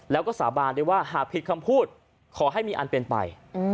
แล้วก็สาบานได้ว่าหากผิดคำพูดขอให้มีอันเป็นไป